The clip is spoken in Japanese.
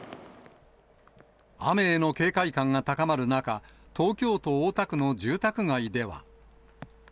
雨への警戒感が高まる中、東京都大田区の住宅街では。